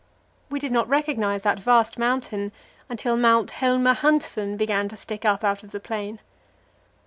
We did not recognize that vast mountain until Mount Helmer Hanssen began to stick up out of the plain.